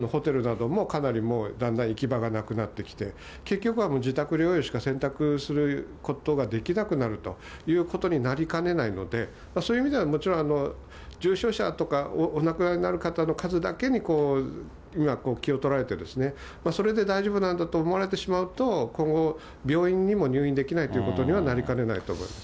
病院としては重症者は少ないけれども、中等症ぐらいの患者であふれるような状況になってきて、そして、例えばホテルなどもかなりもう、だんだん行き場がなくなってきて、結局は自宅療養しか選択することができなくなるということになりかねないので、そういう意味ではもちろん、重症者とか、お亡くなりになる方の数だけに気を取られて、それで大丈夫なんだと思われてしまうと、今後、病院にも入院できないってことにはなりかねないと思います。